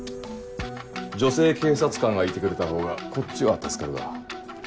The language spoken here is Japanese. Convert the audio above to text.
女性警察官がいてくれたほうがこっちは助かるが。